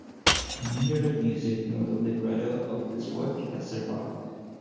Neither the music nor the libretto of this work has survived.